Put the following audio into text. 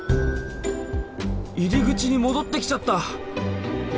入り口に戻ってきちゃった！